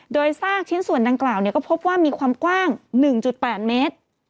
โดยซากชิ้นส่วนดังกล่าวก็พบว่ามีความกว้าง๑๘เมตร